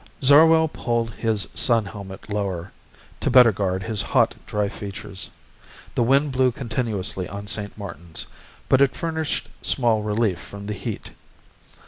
Zarwell pulled his sun helmet lower, to better guard his hot, dry features. The wind blew continuously on St. Martin's, but it furnished small relief from the heat.